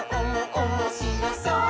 おもしろそう！」